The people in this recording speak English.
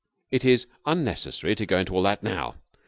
"It is unnecessary to go into all that now.